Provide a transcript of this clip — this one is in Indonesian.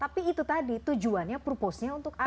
tapi itu tadi tujuannya purpose nya untuk apa